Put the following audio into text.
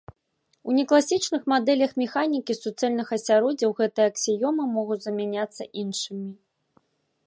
У некласічных мадэлях механікі суцэльных асяроддзяў гэтыя аксіёмы могуць замяняцца іншымі.